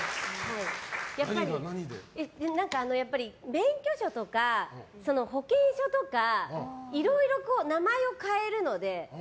免許証とか保険証とかいろいろ、名前を変えるので。